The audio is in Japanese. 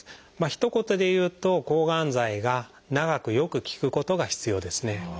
ひと言で言うと抗がん剤が長くよく効くことが必要ですね。